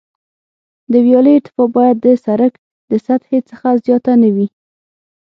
د ویالې ارتفاع باید د سرک د سطحې څخه زیاته نه وي